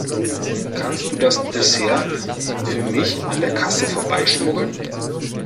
Kannst du das Dessert für mich an der Kasse vorbeischmuggeln?